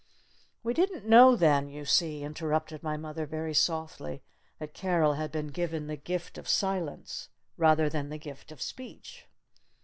"We didn't know then, you see" interrupted my mother very softly "that Carol had been given the gift of silence rather than the gift of speech."